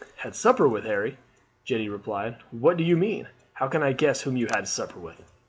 "Had supper with, Harry!" Jeanne repeated. "What do you mean? How can I guess whom you had supper with?"